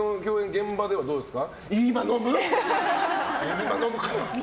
現場ではどうですか？